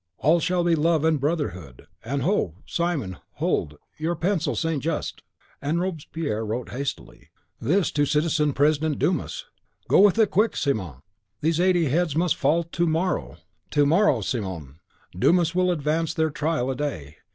All shall be love and brotherhood; and ho! Simon! Simon! hold! Your pencil, St. Just!" And Robespierre wrote hastily. "This to Citizen President Dumas. Go with it quick, Simon. These eighty heads must fall TO MORROW, TO MORROW, Simon. Dumas will advance their trial a day.